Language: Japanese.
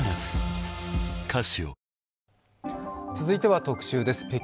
続いては「特集」です。